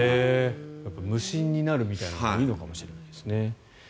無心になるみたいなほうがいいのかもしれないですね。